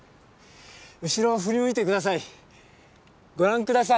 後ろ振り向いて下さい。